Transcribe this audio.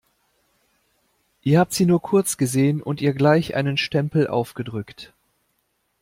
Ihr habt sie nur kurz gesehen und ihr gleich einen Stempel aufgedrückt.